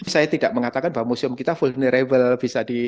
saya tidak mengatakan bahwa museum kita vulnerable